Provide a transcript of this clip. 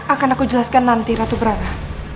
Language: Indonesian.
akan aku jelaskan nanti ratu brana